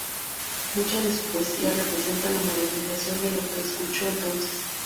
Mucha de su poesía representa la modernización de lo que escuchó entonces.